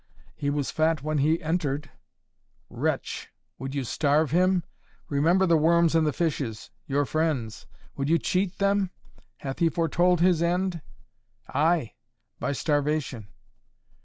"He was fat when he entered." "Wretch! Would you starve him? Remember the worms and the fishes your friends. Would you cheat them? Hath he foretold his end?" "Ay by starvation."